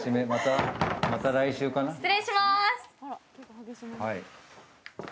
また来週かな？